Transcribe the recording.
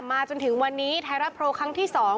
จนถึงวันนี้ไทยรัฐโพลครั้งที่๒